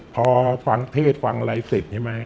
พอฟังเทศฟังอะไรเสร็จใช่ไหม